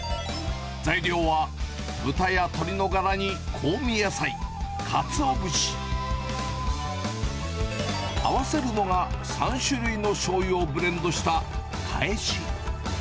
材料は、豚や鶏のガラに香味野菜、カツオ節、合わせるのが、３種類のしょうゆをブレンドしたカエシ。